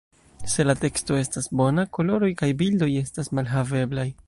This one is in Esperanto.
Se la teksto estas bona, koloroj kaj bildoj estas malhaveblaj.